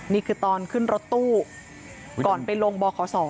นี่คือตอนขึ้นรถตู้ก่อนไปลงบขศ